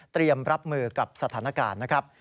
เตรียมรับมือกับสถานการณ์นะครับ